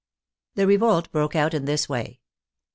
The revolt broke out in this way.